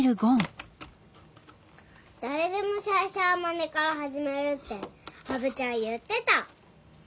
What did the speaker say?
「誰でも最初は真似から始める」って羽生ちゃん言ってた。